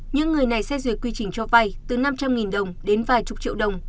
những người này xét duyệt quy trình cho vay từ năm trăm linh đồng đến vài chục triệu đồng